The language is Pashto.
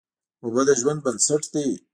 اوبه د ژوند بنسټ دي.